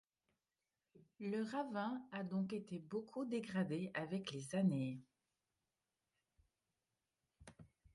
Le ravin a donc été beaucoup dégradé avec les années.